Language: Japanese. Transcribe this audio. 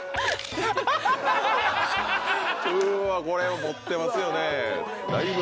うわこれは持ってますよね。